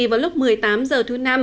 vào lúc một mươi tám h thứ năm